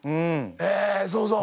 えそうそう。